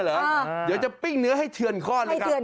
เดี๋ยวจะปิ้งเนื้อให้เทือนคอน